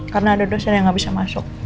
karena ada dosen yang gak bisa masuk